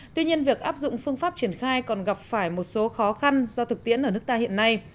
tuy nhiên việc áp dụng phương pháp triển khai còn gặp phải một số khó khăn do thực tiễn ở nước ta hiện nay